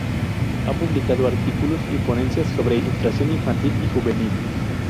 Ha publicado artículos y ponencias sobre ilustración infantil y juvenil.